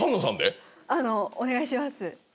あのお願いします。